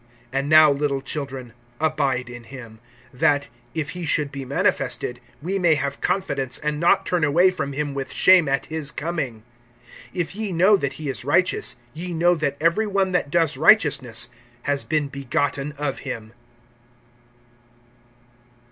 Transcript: (28)And now, little children, abide in him; that, if he should be manifested, we may have confidence, and not turn away from him with shame at his coming. (29)If ye know that he is righteous, ye know that every one that does righteousness has been begotten of him.